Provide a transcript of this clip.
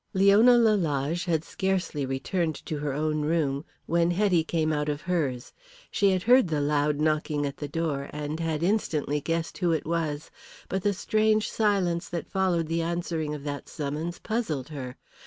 Leona Lalage had scarcely returned to her own room when Hetty came out of hers. She had heard the loud knocking at the door, and had instantly guessed who it was. But the strange silence that followed the answering of that summons puzzled her.